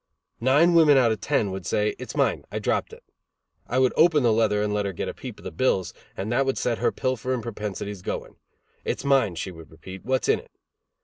Nine women out of ten would say, "It's mine, I dropped it." I would open the leather and let her get a peep of the bills, and that would set her pilfering propensities going. "It's mine," she would repeat. "What's in it?"